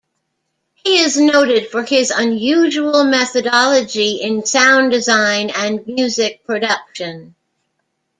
He is noted for his unusual methodology in sound design and music production.